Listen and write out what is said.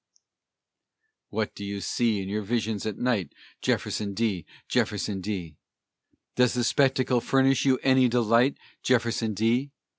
What do you see in your visions at night, Jefferson D., Jefferson D.? Does the spectacle furnish you any delight, Jefferson D.?